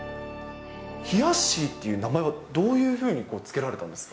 ひやっしーっていう名前は、どういうふうに付けられたんですか？